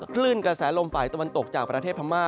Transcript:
คลื่นกระแสลมฝ่ายตะวันตกจากประเทศพม่า